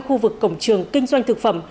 khu vực cổng trường kinh doanh thực phẩm